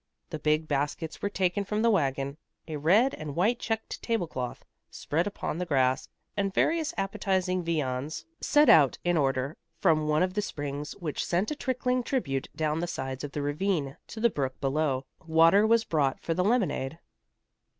The big baskets were taken from the wagon, a red and white checked table cloth spread upon the grass, and various appetizing viands set out in order. From one of the springs which sent a trickling tribute down the sides of the ravine to the brook below, water was brought for the lemonade.